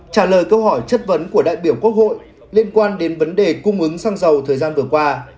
trả lời câu hỏi chất vấn của đại biểu quốc hội liên quan đến vấn đề cung ứng xăng dầu thời gian vừa qua